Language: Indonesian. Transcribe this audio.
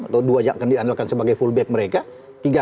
atau dua yang akan diandalkan sebagai fullback mereka